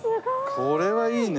これはいいね。